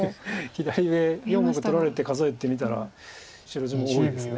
左上４目取られて数えてみたら白地も多いです。